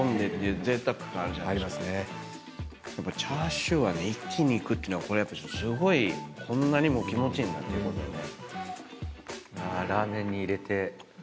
チャーシューは一気にいくってすごいこんなにも気持ちいいんだっていうことをね。